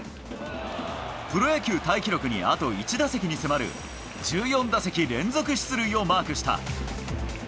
プロ野球タイ記録にあと１打席に迫る、１４打席連続出塁をマークした。